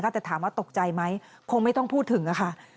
แต่ถามว่าตกใจไหมคงไม่ต้องพูดถึงค่ะ